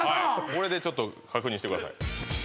これでちょっと確認してください